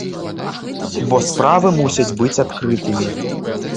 Бо справы мусяць быць адкрытымі.